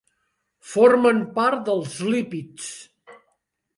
Formen part dels lípids.